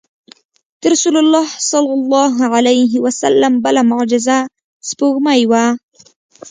د رسول الله صلی الله علیه وسلم بله معجزه سپوږمۍ وه.